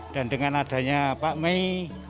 dan dengan adanya pak may